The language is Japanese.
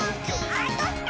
あ、どした！